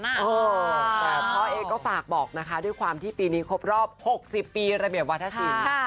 แต่พ่อเองก็ฝากบอกนะคะด้วยความที่ปีนี้ครบรอบ๖๐ปีระเบียบวัฒนศิลป์